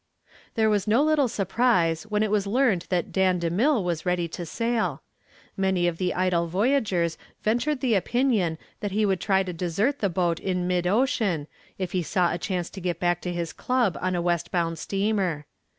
There was no little surprise when it was learned that Dan DeMille was ready to sail. Many of the idle voyagers ventured the opinion that he would try to desert the boat in mid ocean if he saw a chance to get back to his club on a west bound steamer.